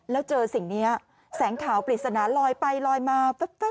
แล้วเจอสิ่งนี้แสงขาวปริศนาลอยไปลอยมา